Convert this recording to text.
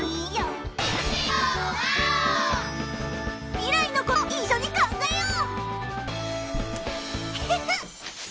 未来のこと一緒に考えよう！